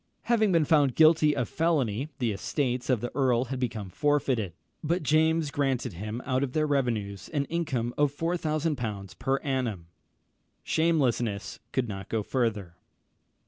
Having been found guilty of felony, the estates of the earl had become forfeited; but James granted him out of their revenues an income of 4000l. per annum! Shamelessness could go no further.